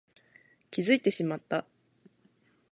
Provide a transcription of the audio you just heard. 気づいてしまった